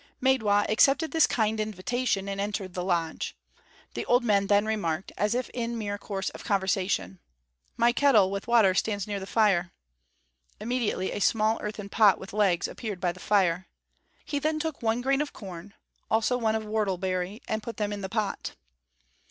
Maidwa accepted this kind invitation and entered the lodge. The old man then remarked, as if in mere course of conversation: "My kettle with water stands near the fire." Immediately a small earthen pot with legs appeared by the fire. He then took one grain of corn, also one of whortleberry, and put them in the pot.